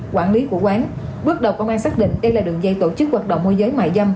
quản lý của quán bước đầu công an xác định đây là đường dây tổ chức hoạt động môi giới mại dâm